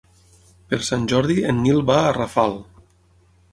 Per Sant Jordi en Nil va a Rafal.